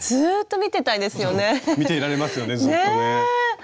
見ていられますよねずっとね。